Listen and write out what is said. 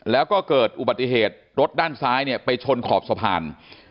แล้วก็เกิดอุบัติเหตุรถด้านซ้ายเนี่ยไปชนขอบสะพาน